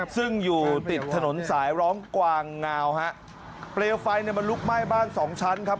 ซึ่งอยู่ติดถนนสายร้องกวางงาวฮะเปลวไฟเนี่ยมันลุกไหม้บ้านสองชั้นครับ